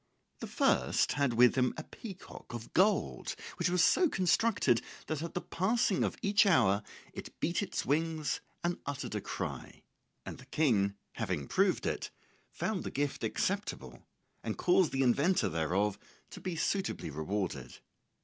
The first had with him a peacock of gold which was so constructed that at the passing of each hour it beat its wings and uttered a cry. And the King, having proved it, found the gift acceptable and caused the inventor thereof to be suitably rewarded.